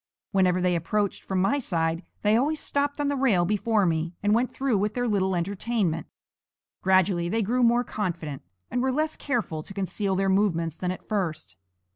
Whenever they approached from my side, they always stopped on the rail before me and went through with their little entertainment. Gradually they grew more confident, and were less careful to conceal their movements than at first.